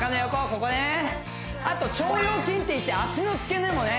ここねあと腸腰筋っていって脚の付け根もね